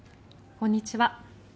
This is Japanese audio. こんにちは。